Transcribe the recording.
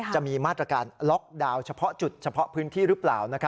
จะมีมาตรการล็อกดาวน์เฉพาะจุดเฉพาะพื้นที่หรือเปล่า